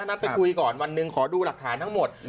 นัดไปคุยก่อนวันหนึ่งขอดูหลักฐานทั้งหมด